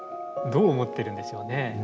どう思ってるんでしょうね。